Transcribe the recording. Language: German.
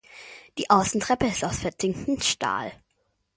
Die Außentreppe ist aus verzinktem Stahl.